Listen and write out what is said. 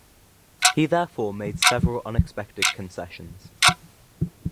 He therefore made several unexpected concessions.